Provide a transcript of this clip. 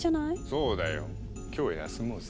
そうだよ今日は休もうぜ。